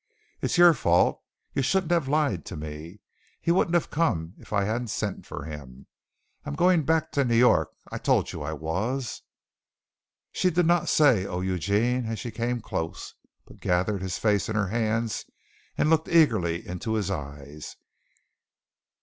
It's your fault. You shouldn't have lied to me. He wouldn't have come if I hadn't sent for him. I'm going back to New York. I told you I was." She did not say, "Oh, Eugene!" as she came close, but gathered his face in her hands and looked eagerly into his eyes.